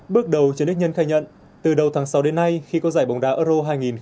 bước đầu trần đức nhân khai nhận từ đầu tháng sáu đến nay khi có giải bóng đá euro hai nghìn hai mươi